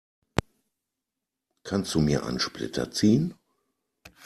Kannst du mir einen Splitter ziehen?